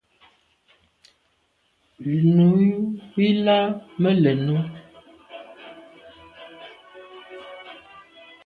Nu i làn me lèn o.